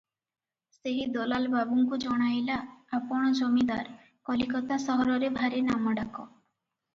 ସେହି ଦଲାଲ ବାବୁଙ୍କୁ ଜଣାଇଲା, "ଆପଣ ଜମିଦାର, କଲିକତା ସହରରେ ଭାରି ନାମ ଡାକ ।